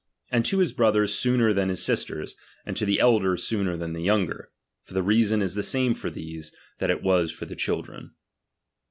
And to his brothers sooner '' tian his sisters, and to the elder sooner than the younger ; for the reason is the same for these, that it was for the children.